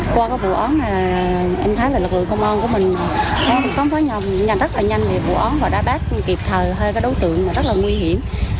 công an của mình có lực lượng công an rất là nhanh vì vụ ấn và đá bát kịp thời hai đối tượng rất là nguy hiểm